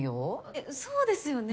えっそうですよね。